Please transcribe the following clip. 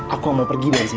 aku mau pergi dari sini